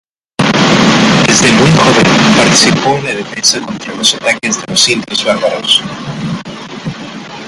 Desde muy joven participó en la defensa contra los ataques de los indios bárbaros.